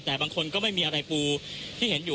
แต่บางคนก็ไม่มีอะไรปูที่เห็นอยู่